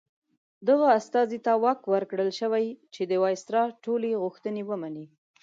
دغه استازي ته واک ورکړل شوی چې د وایسرا ټولې غوښتنې ومني.